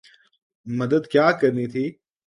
مدد کیا کرنی تھی۔